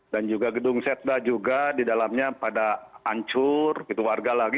dan juga gedung setda juga di dalamnya pada hancur warga lagi